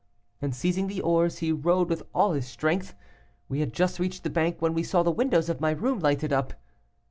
And seizing the oars, he rowed with all his strength. We had just reached the bank when we saw the windows of my room lighted up.